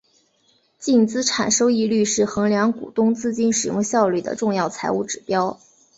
净资产收益率是衡量股东资金使用效率的重要财务指标。